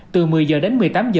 từ một mươi h đến một mươi tám h